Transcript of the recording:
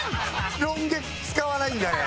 ロン毛使わないんだね。